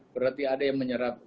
berarti ada yang menyerap